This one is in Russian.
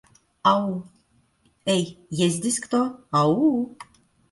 Ау? Эй, есть здесь кто? Ау-у?